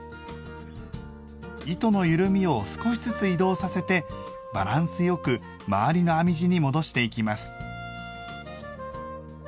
糸のゆるみを少しずつ移動させてバランスよく周りの編み地に戻していきます。